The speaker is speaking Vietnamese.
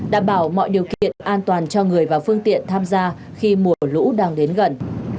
đảm bảo mọi điều kiện an toàn cho người và phương tiện tham gia khi mùa lũ đang đến gần